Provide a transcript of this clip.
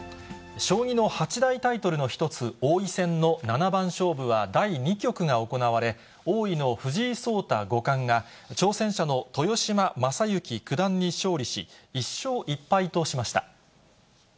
将棋の八大タイトルの一つ、王位戦の七番勝負は第２局が行われ、王位の藤井聡太五冠が、挑戦者の豊島将之九段に勝利し、１勝１敗としました。